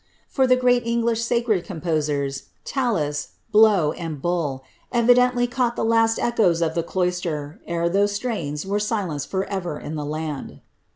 For the great English sacred composers, Tallis, Blow, and Bull, evidently caught the last echoes of the cloister ere those strains were silenced for ever in the land.